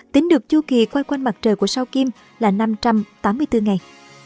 tính được chu kỳ quay quanh mặt trời của sao kim là năm trăm tám mươi bốn ngày